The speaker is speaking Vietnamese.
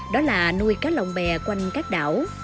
đó là nuôi cá lồng bè quanh các đảo